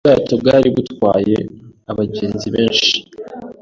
Ubwato bwari butwaye abagenzi benshi.